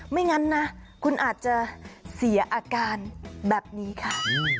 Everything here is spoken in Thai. ไม่งั้นนะคุณอาจจะเสียอาการแบบนี้ค่ะ